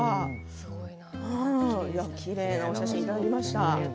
きれいなお写真いただきました。